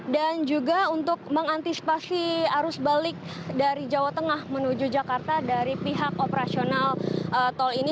dan juga untuk mengantisipasi arus balik dari jawa tengah menuju jakarta dari pihak operasional tol ini